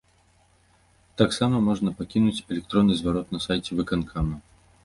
Таксама можна пакінуць электронны зварот на сайце выканкама.